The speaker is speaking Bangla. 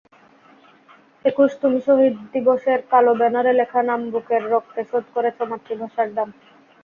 একুশ তুমিশহীদ দিবসের কালো ব্যানারে লেখা নামবুকের রক্তে শোধ করেছ মাতৃভাষার দাম।